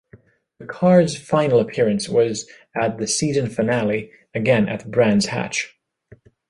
The car's final appearance was at the season finale, again at Brands Hatch.